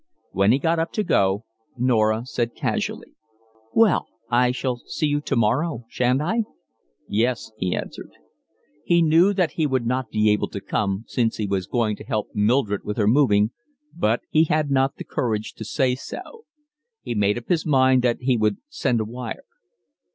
When he got up to go Norah said casually: "Well, I shall see you tomorrow, shan't I?" "Yes," he answered. He knew that he would not be able to come, since he was going to help Mildred with her moving, but he had not the courage to say so. He made up his mind that he would send a wire.